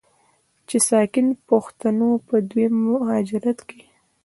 چې ساکي پښتنو په دویم مهاجرت کې،